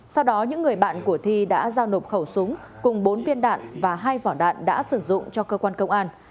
sau đó những người bạn của thi đã giao nộp khẩu súng cùng bốn viên đạn và hai vỏ đạn đã sử dụng cho cơ quan công an